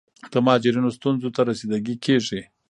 د مهاجرینو ستونزو ته رسیدګي کیږي.